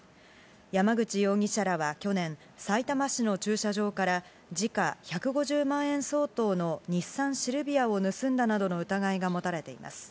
山口容疑者らは去年、さいたま市の駐車場から時価１５０万円相当の日産シルビアを盗んだなどの疑いが持たれています。